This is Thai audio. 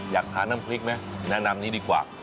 อยากทานน้ำพริกไหมแนะนำนี้ดีกว่า